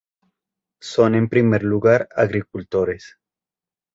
Son en primer lugar agricultores.